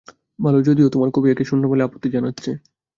ভাল, যদিও তোমার কবি একে শূন্য বলে আপত্তি জানাচ্ছে।